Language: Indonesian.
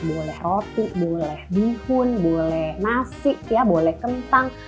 boleh roti boleh bihun boleh nasi ya boleh kentang